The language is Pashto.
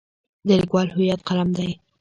د لیکوال هویت قلم دی.